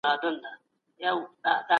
که موضوع مخینه ونلري نو پېژندل یې ستونزمن دي.